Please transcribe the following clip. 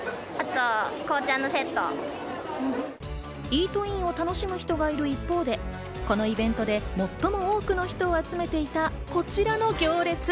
イートインを楽しむ人がいる一方で、このイベントで最も多くの人を集めていたこちらの行列。